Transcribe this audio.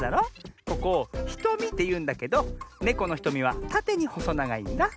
ここ「ひとみ」っていうんだけどネコのひとみはたてにほそながいんだ。